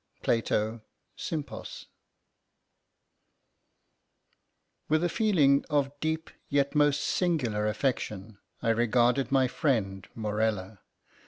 —PLATO—Sympos. With a feeling of deep yet most singular affection I regarded my friend Morella.